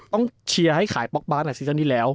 ต้องเชียร์ให้ขายป๊อปป๊อปบาร์ในซีซั่นที่แล้ว